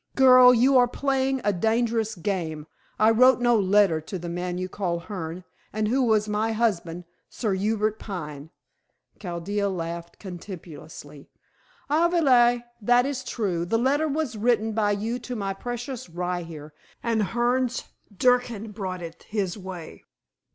"Girl, you are playing a dangerous game. I wrote no letter to the man you call Hearne, and who was my husband Sir Hubert Pine." Chaldea laughed contemptuously. "Avali, that is true. The letter was written by you to my precious rye here, and Hearne's dukkerin brought it his way."